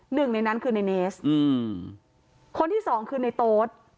หนึ่งในนั้นคือในเนสอืมคนที่สองคือในโต๊ด